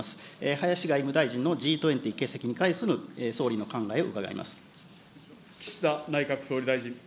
林外務大臣のＧ２０欠席に関する総理の考えを伺います。